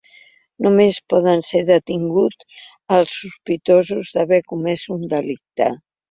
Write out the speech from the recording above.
Només poden ser detinguts els sospitosos d’haver comès un delicte.